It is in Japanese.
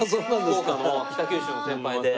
福岡の北九州の先輩で。